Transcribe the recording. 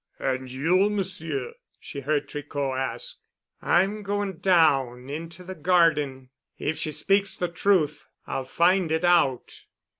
"And you, Monsieur?" she heard Tricot ask. "I'm going down—into the garden. If she speaks the truth I'll find it out."